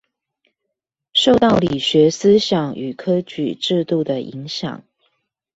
受到理學思想與科舉制度的影響